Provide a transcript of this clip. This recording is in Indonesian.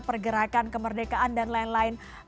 pergerakan kemerdekaan dan lain lain